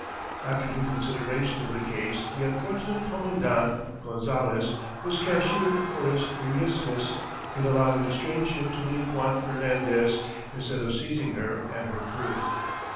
After due consideration of the case the unfortunate commandant, Gonzales, was cashiered for his remissness in allowing a strange ship to leave Juan Fernandez instead of seizing her and her crew.